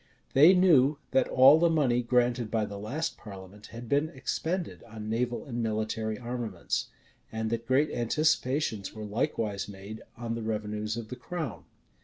They knew that all the money granted by the last parliament had been expended on naval and military armaments; and that great anticipations were likewise made on the revenues of the crown.